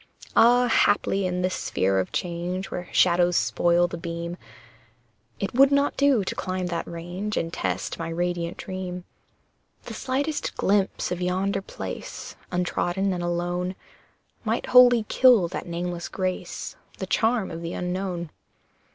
Ah! haply in this sphere of change Where shadows spoil the beam, It would not do to climb that range And test my radiant Dream. The slightest glimpse of yonder place, Untrodden and alone, Might wholly kill that nameless grace, The charm of the unknown.